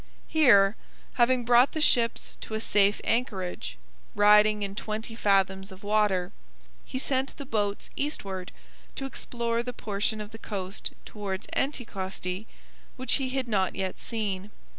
Here, having brought the ships to a safe anchorage, riding in twenty fathoms of water, he sent the boats eastward to explore the portion of the coast towards Anticosti which he had not yet seen.